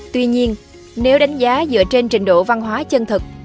tuy nhiên nếu đánh giá dựa trên trình độ văn hóa chân thực